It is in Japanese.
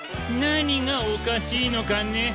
何がおかしいのかね？